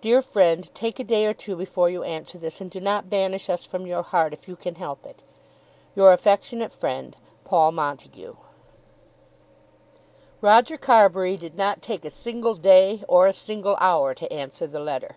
Dear friend, take a day or two before you answer this, and do not banish us from your heart if you can help it. Your affectionate friend, PAUL MONTAGUE. Roger Carbury did not take a single day, or a single hour to answer the letter.